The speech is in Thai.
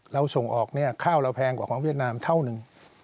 เราส่งออกเนี่ยข้าวเราแพงกว่าของเวียดนามเท่านึง